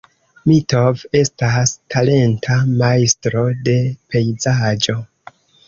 Mitov estas talenta majstro de pejzaĝo.